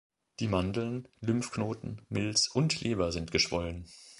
Die Mandeln, Lymphknoten, Milz und Leber sind geschwollen.